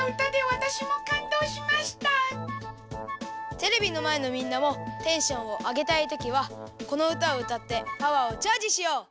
テレビのまえのみんなもテンションをあげたいときはこのうたをうたってパワーをチャージしよう。